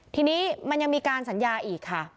ทีนี้มันยังมีการสัญญาอีกค่ะ